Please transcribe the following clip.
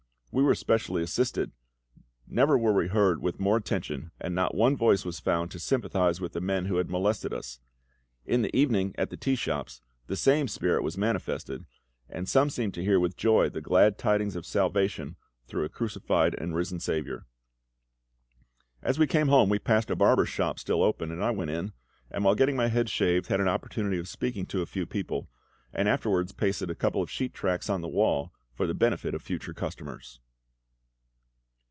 We were specially assisted; never were we heard with more attention, and not one voice was found to sympathise with the men who had molested us. In the evening, at the tea shops, the same spirit was manifested, and some seemed to hear with joy the glad tidings of salvation through a crucified and risen SAVIOUR. As we came home we passed a barber's shop still open, and I went in, and while getting my head shaved had an opportunity of speaking to a few people, and afterwards pasted a couple of sheet tracts on the wall for the benefit of future customers.